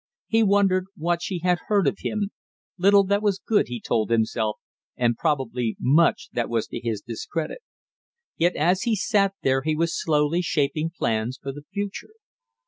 He wondered what she had heard of him little that was good, he told himself, and probably much that was to his discredit. Yet as he sat there he was slowly shaping plans for the future.